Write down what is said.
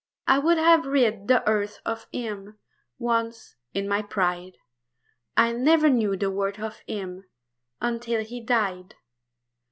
I would have rid the earth of him Once, in my pride! ... I never knew the worth of him Until he died.